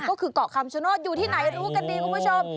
ก็คือเกาะคำชโนธอยู่ที่ไหนรู้กันดีคุณผู้ชม